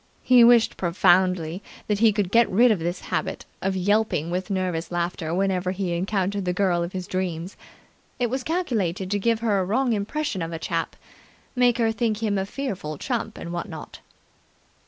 He wished profoundly that he could get rid of his habit of yelping with nervous laughter whenever he encountered the girl of his dreams. It was calculated to give her a wrong impression of a chap make her think him a fearful chump and what not!